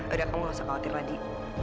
udah kamu nggak usah khawatir ladi